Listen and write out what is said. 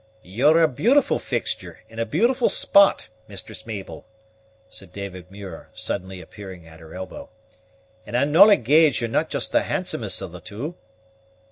"You're a beautiful fixture, in a beautiful spot, Mistress Mabel," said David Muir, suddenly appearing at her elbow; "and I'll no' engage you're not just the handsomest of the two."